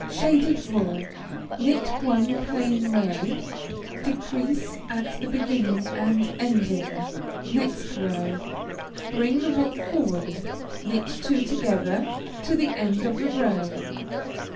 Shaded wool Knit one plain row; decrease at the beginning and ending. Next row; bring the wool forward, knit two together to the end of the row.